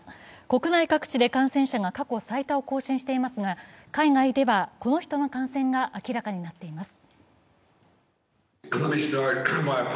国内各地で感染者が過去最多を更新していますが海外ではこの人の感染が明らかになっています。